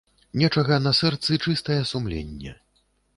Нечага на сэрцы чыстае сумленне.